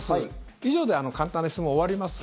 以上で簡単な質問を終わります。